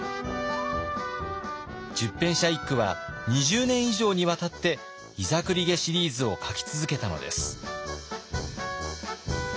十返舎一九は２０年以上にわたって「膝栗毛シリーズ」を書き続けたのです。